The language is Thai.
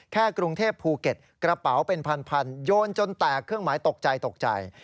กรุงเทพภูเก็ตกระเป๋าเป็นพันโยนจนแตกเครื่องหมายตกใจตกใจ